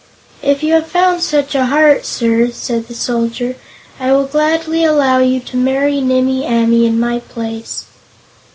"If you have found such a heart, sir," said the Soldier, "I will gladly allow you to marry Nimmie Amee in my place."